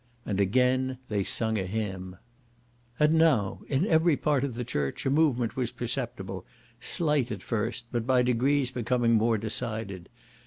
And again they sung a hymn. And now in every part of the church a movement was perceptible, slight at first, but by degrees becoming more decided.